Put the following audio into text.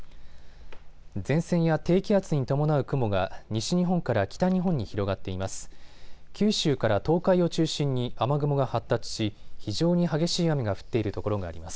前線や低気圧に伴う雲が西日本から北日本に広がっています。